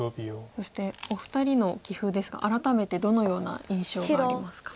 そしてお二人の棋風ですが改めてどのような印象がありますか。